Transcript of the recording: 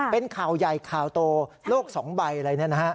เป็นข่าวใหญ่ข่าวโตโลก๒ใบอะไรอย่างนี้